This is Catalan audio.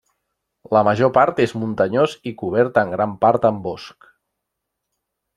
La major part és muntanyós i cobert en gran part amb bosc.